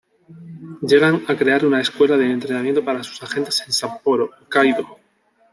Llegan a crear una escuela de entrenamiento para sus agentes en Sapporo, Hokkaidō.